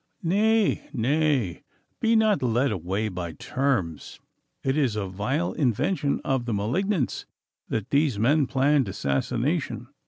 'Nay, nay, be not led away by terms! It is a vile invention of the malignants that these men planned assassination.